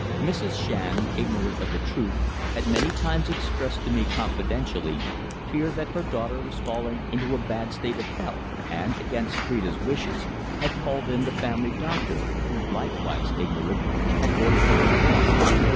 Mrs. Shand, ignorant of the truth, had many times expressed to me confidentially, fear that her daughter was falling into a bad state of health; and, against Phrida's wishes, had called in the family doctor, who, likewise ignorant, had ordered her abroad.